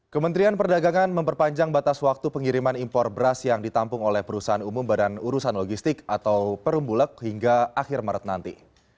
kementerian perdagangan memperpanjang batas waktu pengiriman impor beras yang ditampung oleh perusahaan umum badan urusan logistik atau perumbulek hingga akhir maret nanti